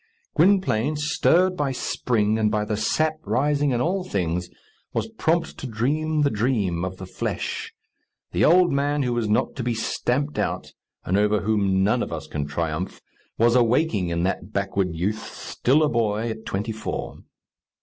Gwynplaine, stirred by spring, and by the sap rising in all things, was prompt to dream the dream of the flesh. The old man who is not to be stamped out, and over whom none of us can triumph, was awaking in that backward youth, still a boy at twenty four.